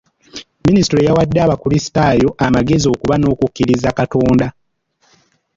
Minisita yawadde abakrisitaayo amagezi okuba n'okukkiriza Katonda.